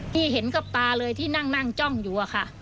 เห็นกับตาเลยที่นั่งจ้องอยู่อะค่ะ